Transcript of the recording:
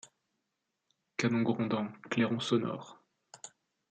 Canon grondant, clairon sonore !-